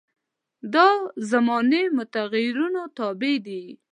دا زماني متغیرونو تابع دي.